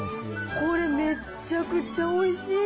これ、めちゃくちゃおいしい。